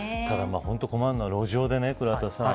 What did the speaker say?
本当に困るのは路上で倉田さん